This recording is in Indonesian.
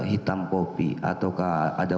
hitam kopi atau ada